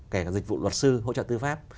kể cả dịch vụ luật sư hỗ trợ tư pháp